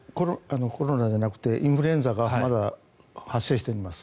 コロナじゃなくてインフルエンザがまだ発生しています。